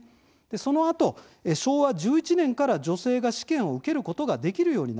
そのあと、昭和１１年から女性が試験を受けることができるようになります。